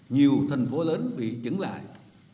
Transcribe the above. nhiều thành phố lớn bị chứng lại